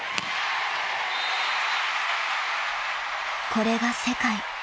［これが世界］